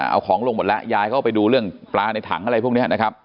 เอาของลงหมดแล้วยายเข้าไปดูเรื่องปลาในถังอะไรพวกนี้นะครับ